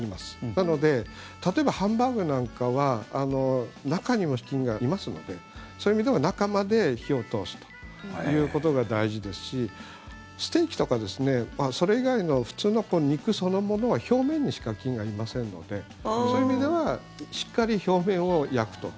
なので例えばハンバーグなんかは中にも菌がいますのでそういう意味では中まで火を通すということが大事ですしステーキとかそれ以外の普通の肉そのものは表面にしか菌がいませんのでそういう意味ではしっかり表面を焼くと。